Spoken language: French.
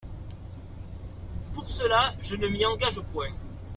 Pour cela, je ne m'y engage point.